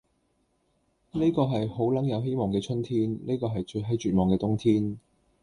呢個係好撚有希望嘅春天，呢個係最閪絕望嘅冬天，